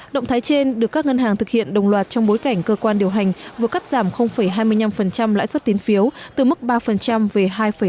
động thái trên được các ngân hàng thực hiện đồng loạt trong bối cảnh cơ quan điều hành vừa cắt giảm hai mươi năm lãi suất tiến phiếu từ mức ba về hai bảy